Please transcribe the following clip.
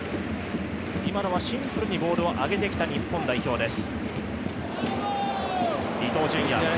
今のはシンプルにボールを上げてきた日本です。